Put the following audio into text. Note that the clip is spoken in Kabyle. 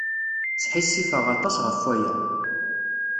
Sḥissifeɣ aṭas ɣef waya!